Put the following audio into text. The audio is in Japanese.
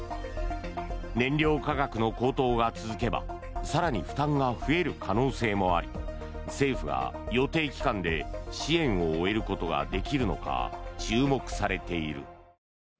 燃料価格の高騰が続けば更に負担が増える可能性もあり政府が予定期間で支援を終えることができるのか注目されている。